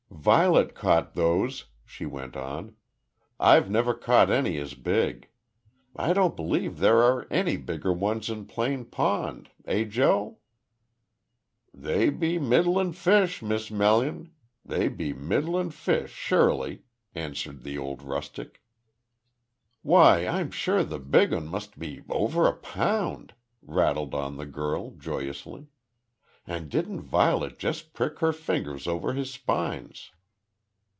"Violet caught those," she went on. "I've never caught any as big. I don't believe there are any bigger ones in Plane Pond; eh, Joe." "They be middlin' fish, Miss Melun they be middlin' fish, sure ly," answered the old rustic. "Why, I'm sure the big 'un must be over a pound," rattled on the girl joyously. "And didn't Violet just prick her fingers over his spines."